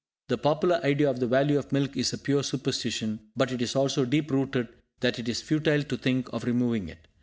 The popular idea of the value of milk is a pure superstition, but it is so deep rooted that it is futile to think of removing it.